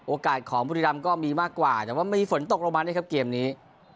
โอกาสของบุรีรำก็มีมากกว่าแต่ว่ามีฝนตกลงมานะครับเกมนี้